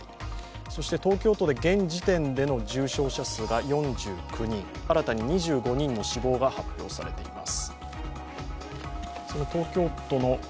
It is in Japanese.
そして東京都で現時点での重症者数が４９人新たに２５人の死亡が発表されています。